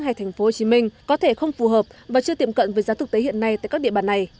hay thành phố hồ chí minh có thể không phù hợp và chưa tiệm cận với giá thực tế hiện nay tại các địa bàn này